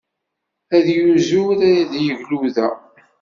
Ad yuzur ad yegluda.